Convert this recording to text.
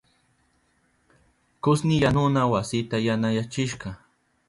Kushni yanuna wasita yanayachishka.